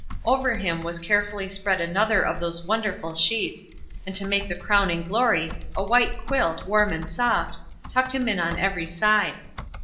Over him was carefully spread another of those wonderful sheets, and to make the crowning glory, a white quilt, warm and soft, tucked him in on every side.